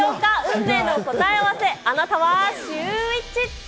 運命の答え合わせ、あなたはシューＷｈｉｃｈ。